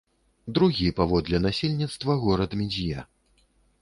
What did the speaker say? Другі паводле насельніцтва горад медзье.